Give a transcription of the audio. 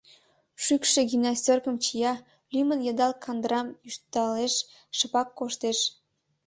Шӱкшӧ гимнастёркым чия, лӱмын йыдал кандырам ӱшталеш, шыпак коштеш.